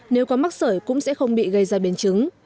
nếu có mắc sởi cũng sẽ không bị gây ra biến chứng